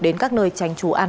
đến các nơi tránh trú an toàn